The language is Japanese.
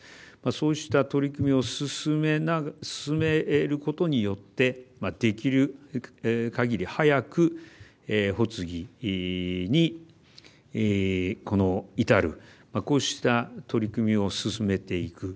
そうした取り組みを進めることによってできるかぎり早く発議にこの至るこうした取り組みを進めていく。